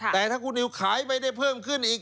แต่ถ้าคุณนิวขายไม่ได้เพิ่มขึ้นอีก